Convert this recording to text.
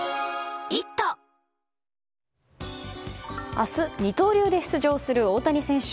明日、二刀流で出場する大谷選手。